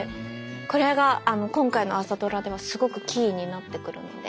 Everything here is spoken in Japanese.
これが今回の朝ドラではすごくキーになってくるので。